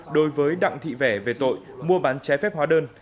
đối với đặng thị vẻ về tội mua bán trái phép hóa đơn